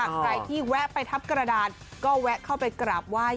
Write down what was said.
ใครที่แวะไปทับกระดานก็แวะเข้าไปกราบไหว้